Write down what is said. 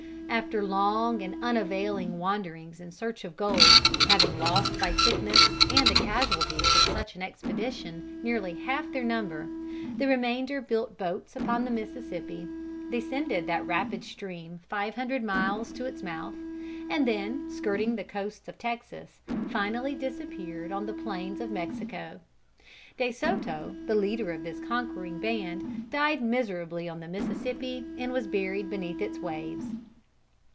After long and unavailing wanderings in search of gold, having lost by sickness and the casualties of such an expedition nearly half their number, the remainder built boats upon the Mississippi, descended that rapid stream five hundred miles to its mouth, and then skirting the coast of Texas, finally disappeared on the plains of Mexico. De Soto, the leader of this conquering band, died miserably on the Mississippi, and was buried beneath its waves.